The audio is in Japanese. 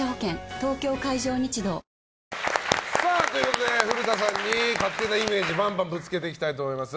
東京海上日動ということで古田さんに勝手なイメージをバンバンぶつけていきたいと思います。